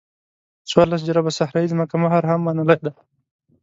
څوارلس جریبه صحرایي ځمکې مهر هم منلی دی.